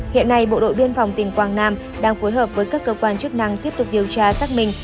hiện nay bộ đội biên phòng tỉnh quang nam đang phối hợp với các cơ quan chức năng tiếp tục điều tra các mình